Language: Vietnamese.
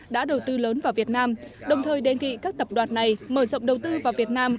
đã đầu tư lớn vào việt nam đồng thời đề nghị các tập đoàn này mở rộng đầu tư vào việt nam